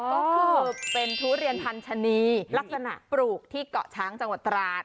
ก็คือเป็นทุเรียนพันธนีลักษณะปลูกที่เกาะช้างจังหวัดตราด